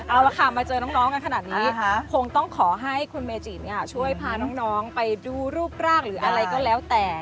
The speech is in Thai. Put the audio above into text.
เอาละค่ะมาเจอน้องกันขนาดนี้คงต้องขอให้คุณเมจิเนี่ยช่วยพาน้องไปดูรูปร่างหรืออะไรก็แล้วแต่